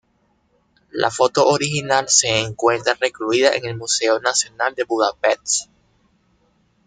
La foto original se encuentra recluida en el Museo Nacional de Budapest.